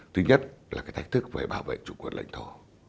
thứ nhất là cái thách thức về bảo vệ chủ quyền lãnh thổ